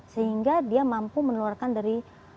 sehingga dia mampu meneluarkan dari